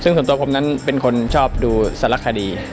ซึ่งส่วนตัวผมนั้นเป็นคนชอบดูสารคดี